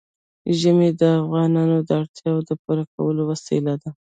ژمی د افغانانو د اړتیاوو د پوره کولو وسیله ده.